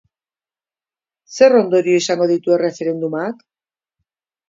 Zer ondorio izango ditu erreferendumak?